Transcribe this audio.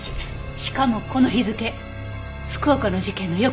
しかもこの日付福岡の事件の翌日だわ。